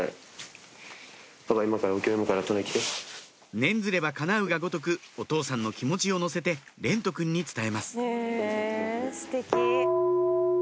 念ずれば叶うがごとくお父さんの気持ちを乗せて蓮和くんに伝えます